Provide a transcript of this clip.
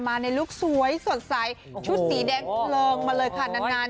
ในลุคสวยสดใสชุดสีแดงเพลิงมาเลยค่ะนาน